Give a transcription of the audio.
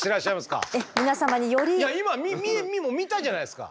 今見たじゃないですか！